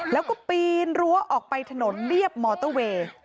แล้วก็ปีนรั้วออกไปถนนเรียบมอเตอร์เวย์